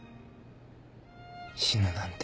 死ぬなんて。